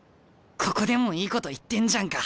ここでもいいこと言ってんじゃんか。